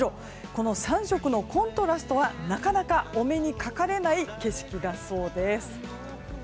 この３色のコントラストはなかなかお目にかかれない景色だそうです。